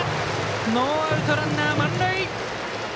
ノーアウト、ランナー満塁。